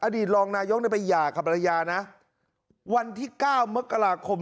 อดีตรองนายกได้ไปหย่ากรรมรยานะวันที่๙เมื่อกราคม